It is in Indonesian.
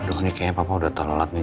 aduh ini kayaknya papa udah terlolat nih